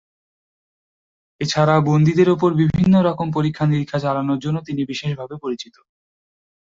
এছাড়া বন্দীদের ওপর বিভিন্ন রকম পরীক্ষানিরীক্ষা চালানোর জন্য তিনি বিশেষভাবে পরিচিত।